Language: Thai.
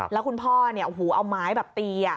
แล้วคุณพ่อเอาไม้แบบตี